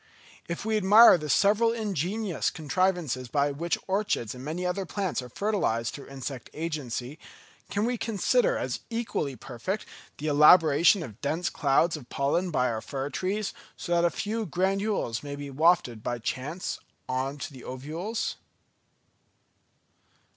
If we admire the several ingenious contrivances by which orchids and many other plants are fertilised through insect agency, can we consider as equally perfect the elaboration of dense clouds of pollen by our fir trees, so that a few granules may be wafted by chance on to the ovules?